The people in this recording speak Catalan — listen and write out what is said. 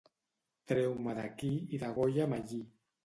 Treu-me d'aquí i degolla'm allí.